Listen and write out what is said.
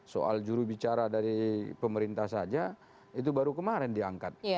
soal jurubicara dari pemerintah saja itu baru kemarin diangkat